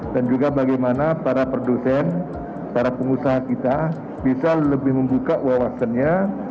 dan juga bagaimana para produsen para pengusaha kita bisa lebih membuka wawasannya